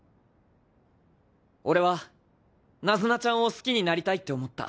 俺はナズナちゃんを好きになりたいって思った。